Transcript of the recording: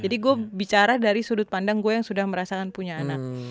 gue bicara dari sudut pandang gue yang sudah merasakan punya anak